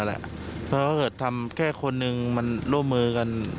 ถ้าเกิดทำเหาะแค่คนนึงมันร่วมมือกัน